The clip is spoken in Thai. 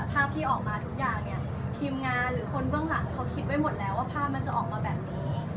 ภาพที่ออกมาทุกอย่างเนี่ยทีมงานหรือคนเบื้องหลังเขาคิดไว้หมดแล้วว่าภาพมันจะออกมาแบบนี้